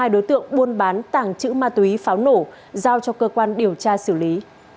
ba mươi hai đối tượng buôn bán tảng chữ ma túy pháo nổ giao cho cơ quan điều tra xử lý